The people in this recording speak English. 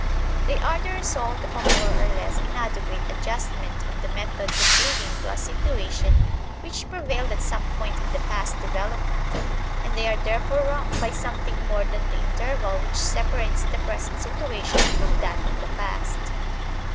They are the result of a more or less inadequate adjustment of the methods of living to a situation which prevailed at some point in the past development; and they are therefore wrong by something more than the interval which separates the present situation from that of the past.